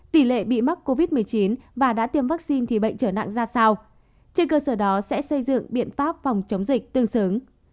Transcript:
tỷ lệ bị mắc covid một mươi chín và đã tiêm vaccine thì bệnh trở nặng ra sao trên cơ sở đó sẽ xây dựng biện pháp phòng chống dịch tương xứng